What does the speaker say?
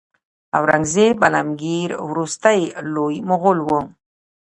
اورنګزیب عالمګیر وروستی لوی مغول و.